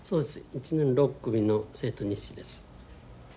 １年６組の生徒日誌です。